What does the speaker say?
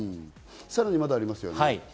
さらにまだありますよね。